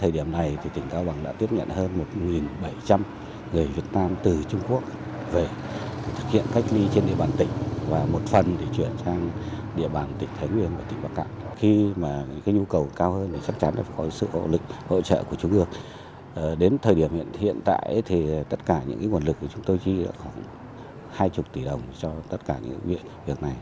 đến thời điểm hiện tại thì tất cả những nguồn lực của chúng tôi chỉ là khoảng hai mươi tỷ đồng cho tất cả những việc này